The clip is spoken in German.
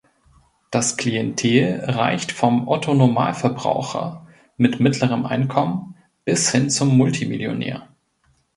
Das Klientel reicht vom „Otto Normalverbraucher“ mit mittlerem Einkommen bis hin zum Multimillionär.